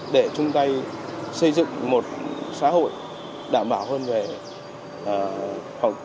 để chúng ta xây dựng một xã hội đảm bảo hơn về phòng cháy